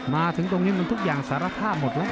มาถึงตรงนี้มันทุกอย่างสารภาพหมดแล้ว